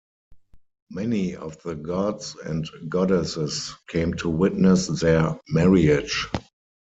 Many of the gods and goddesses came to witness their marriage.